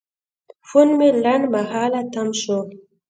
فون مې لنډمهاله تم شو.